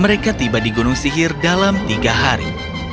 mereka tiba di gunung sihir dalam tiga hari